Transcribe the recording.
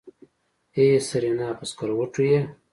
ای سېرېنا په سکروټو يې.